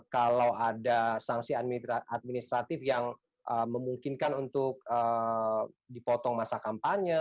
kalau ada sanksi administratif yang memungkinkan untuk dipotong masa kampanye